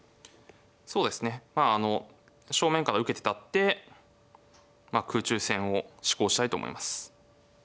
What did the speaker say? そうですねまああの正面から受けて立って空中戦を志向したいと思います。